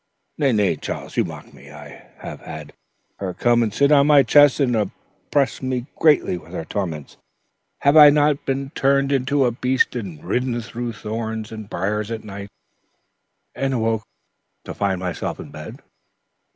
"Nay, nay, Charles, you mock me. I have had her come and sit upon my chest and oppress me greatly with her torments. Have I not been turned into a beast and ridden through thorns and briars at night and awoke to find myself in bed?"